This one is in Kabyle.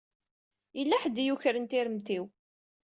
Yella ḥedd i yukren tiremt-iw.